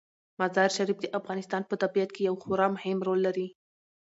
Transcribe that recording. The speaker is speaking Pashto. مزارشریف د افغانستان په طبیعت کې یو خورا مهم رول لري.